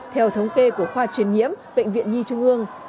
theo thống kê của khoa truyền nhiễm bệnh viện nhi trung ương